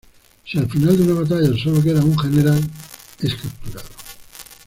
Si al final de una batalla solo queda un General, es capturado.